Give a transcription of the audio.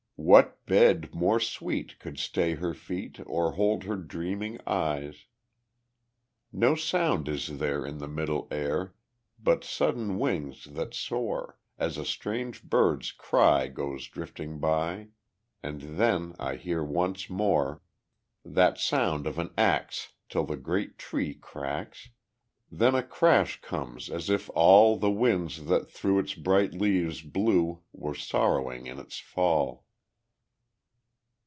What bed more sweet could stay her feet, Or hold her dreaming eyes? No sound is there in the middle air But sudden wings that soar, As a strange bird's cry goes drifting by And then I hear once more That sound of an axe till the great tree cracks, Then a crash comes as if all The winds that through its bright leaves blew Were sorrowing in its fall.